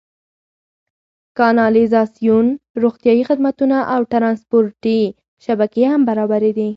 کانالیزاسیون، روغتیايي خدمتونه او ټرانسپورتي شبکې هم برابرې دي.